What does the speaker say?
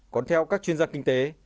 còn theo các chuyên gia kinh tế